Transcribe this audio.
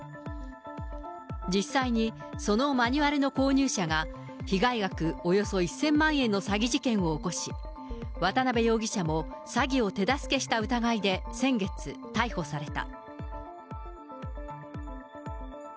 実際に、そのマニュアルの購入者が、被害額およそ１０００万円の詐欺事件を起こし、渡辺容疑者も詐欺を手助けした疑いで先月、逮捕された。